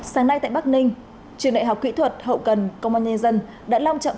sáng nay tại bắc ninh trường đại học kỹ thuật hậu cần công an nhân dân đã long trọng